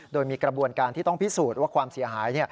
โดยมีกระบวนการที่ต้องพิสูจน์ว่าความเสียหาย